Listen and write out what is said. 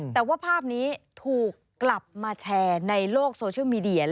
แต่ว่าภาพนี้ถูกกลับมาแชร์ในโลกโซเชียลมีเดีย